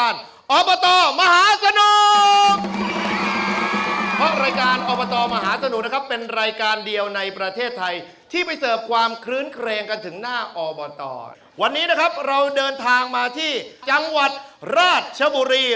เราเดินทางมาที่จังหวัดราชบุรี